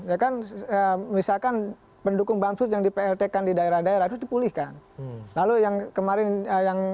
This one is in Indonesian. ya kan misalkan pendukung bamsud yang di plt kan di daerah daerah itu dipulihkan lalu yang kemarin yang